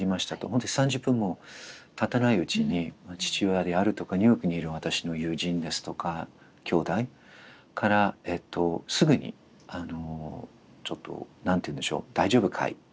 本当に３０分もたたないうちに父親であるとかニューヨークにいる私の友人ですとかきょうだいからすぐにあのちょっと何ていうんでしょう「大丈夫かい？」